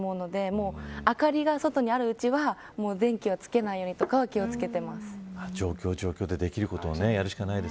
外に明かりがあるうちは電気をつけないようにとか気を付けています。